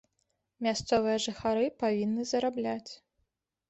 Мясцовыя жыхары павінны зарабляць.